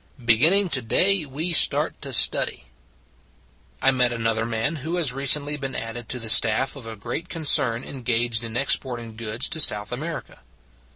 Beginning to day we start to study " I met another man who has recently been added to the staff of a great concern engaged in exporting goods to South America.